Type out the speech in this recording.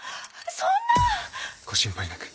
そんな！ご心配なく。